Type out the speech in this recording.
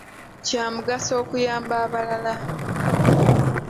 Kya mugaso okuyamba abalala.